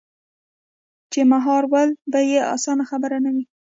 چـې مـهار ول بـه يـې اسـانه خبـره نـه وي.